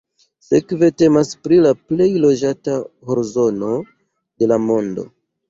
Sekve temas pri la plej loĝata horzono de la mondo.